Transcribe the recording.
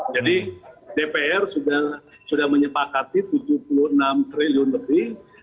jadi dpr sudah menyepakati tujuh puluh enam triliun lebih